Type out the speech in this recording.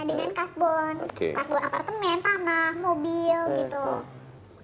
dengan kasbon kasbon apartemen tanah mobil gitu